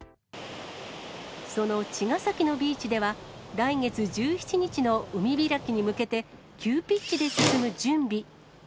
その茅ヶ崎のビーチでは、来月１７日の海開きに向けて、急ピッチで進む準備。